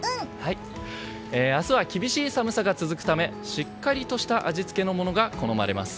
明日は厳しい寒さが続くためしっかりとした味付けのものが好まれます。